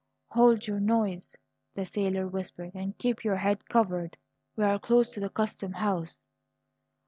"Hold your noise," the sailor whispered, "and keep your head covered! We're close to the custom house."